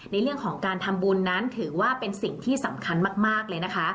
ในเรื่องของการทำบุญนั้นถือว่าเป็นสิ่งที่สำคัญมากเลยนะคะ